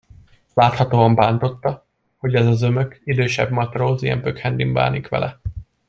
Láthatóan bántotta, hogy ez a zömök, idősebb matróz ilyen pökhendin bánik vele.